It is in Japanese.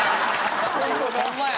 ホンマや！